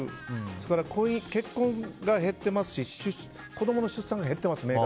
それから結婚が減っていますし子供の出産が明確に減っています。